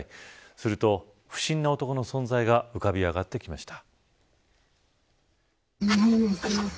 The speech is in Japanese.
すると、不審な男の存在が浮かび上がってきました。